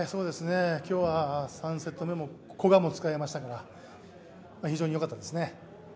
今日は３セット目も、古賀も使えましたから、非常によかったですね。